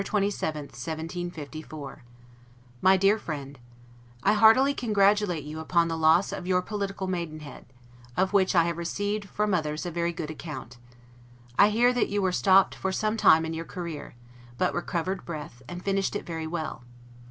LETTER CCII BATH, November 27, 1754 MY DEAR FRIEND: I heartily congratulate you upon the loss of your political maidenhead, of which I have received from others a very good account. I hear that you were stopped for some time in your career; but recovered breath, and finished it very well.